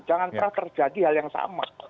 jangan pernah terjadi hal yang sama